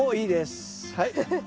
はい。